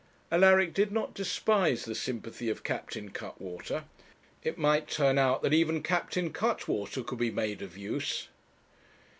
Alaric did not despise the sympathy of Captain Cuttwater. It might turn out that even Captain Cuttwater could be made of use.